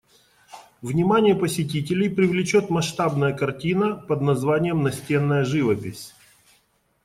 Внимание посетителей привлечет масштабная картина под названием «Настенная живопись».